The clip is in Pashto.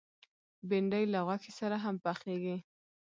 بېنډۍ له غوښې سره هم پخېږي